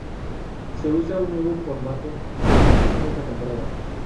Se usará un nuevo formato de promoción esta temporada.